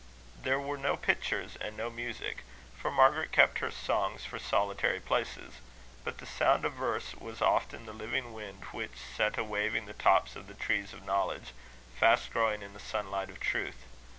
There were no pictures and no music; for Margaret kept her songs for solitary places; but the sound of verse was often the living wind which set a waving the tops of the trees of knowledge, fast growing in the sunlight of Truth.